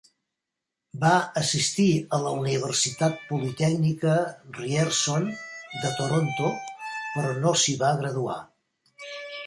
Va assistir a la Universitat Politècnica Ryerson de Toronto, però no s'hi va graduar.